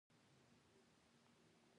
دوه درې شپې مې له ياره سره تېرې کړې.